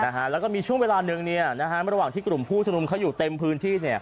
แล้วก็มีช่วงเวลาหนึ่งระหว่างที่กลุ่มผู้ชมนุมเขาอยู่เต็มพื้นที่